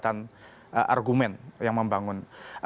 tidak ada argumen yang membangun